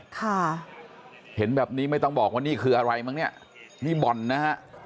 ค่ะเห็นแบบนี้ไม่ต้องบอกว่านี่คืออะไรมั้งเนี่ยนี่บ่อนนะฮะ